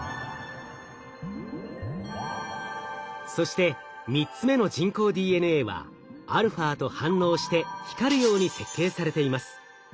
そして３つ目の人工ＤＮＡはαと反応して光るように設計されています。